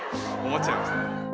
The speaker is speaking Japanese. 困っちゃいますね。